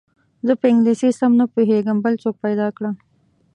زه په انګلیسي سم نه پوهېږم بل څوک پیدا کړه.